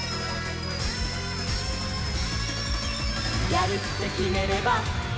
「やるってきめれば」